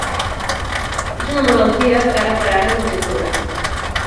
És una malaltia que ara per ara no té cura.